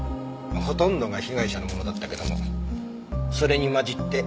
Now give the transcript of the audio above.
ほとんどが被害者のものだったけどもそれに混じって足跡